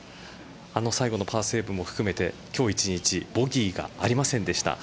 あの最後のパーセーブも含めて今日一日ボギーがありませんでした。